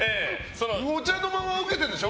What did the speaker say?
お茶の間はウケてるんでしょ？